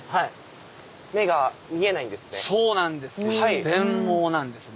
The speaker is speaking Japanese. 目が見えないんですね。